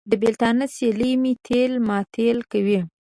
د بېلتانه سیلۍ مې تېل ماټېل کوي.